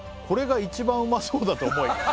「これが一番うまそうだと思い」